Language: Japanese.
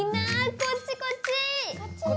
こっちこっち！